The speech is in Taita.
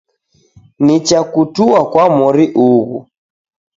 Nicha kutua kwa mori ughu